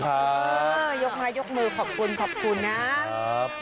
ครับ